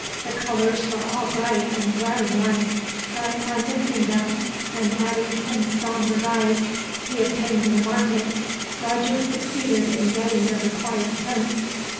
The colors were all bright and glaring ones; but by mixing them, and adding some sombre dyes he obtained in the market, Roger succeeded in getting the required tints.